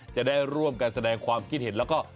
จะได้ร่วมกันแสดงความคิดเห็นแล้วก็